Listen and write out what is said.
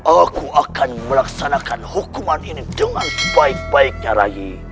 aku akan melaksanakan hukuman ini dengan sebaik baiknya ray